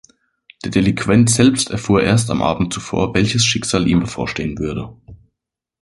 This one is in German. Der Delinquent selbst erfuhr erst am Abend zuvor, welches Schicksal ihm bevorstehen würde.